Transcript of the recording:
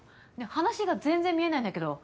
話が全然見えないんだけど。